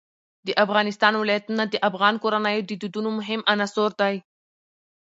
د افغانستان ولايتونه د افغان کورنیو د دودونو مهم عنصر دی.